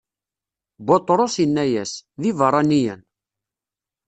Buṭrus inna-as: D ibeṛṛaniyen.